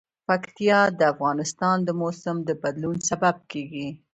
پکتیا د افغانستان د موسم د بدلون سبب کېږي.